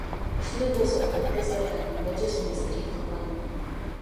Ошондой болсо да, образдарда анын кол жазма издери калган.